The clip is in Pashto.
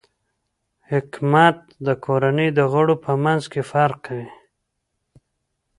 حکمت د کورنۍ د غړو په منځ کې فرق کوي.